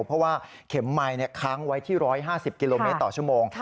เพราะว่าเข็มไมค์ค้างไว้ที่๑๕๐กิโลเมตรต่อชั่วโมง